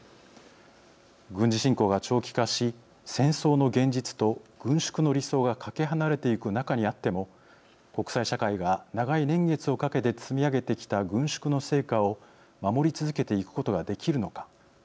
軍事侵攻が長期化し戦争の現実と軍縮の理想がかけ離れていく中にあっても国際社会が長い年月をかけて積み上げてきた軍縮の成果を守り続けていくことができるのか今問われているのだと思います。